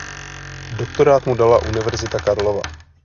Doktorát mu dala Univerzita Karlova.